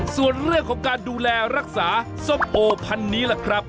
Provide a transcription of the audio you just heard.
ส่วนเรื่องของการดูแลรักษาส้มโอพันนี้ล่ะครับ